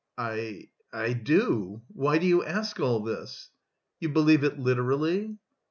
"I... I do. Why do you ask all this?" "You believe it literally?"